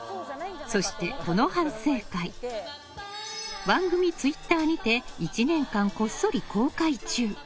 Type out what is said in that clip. そして、この反省会番組ツイッターにて１年間こっそり公開中。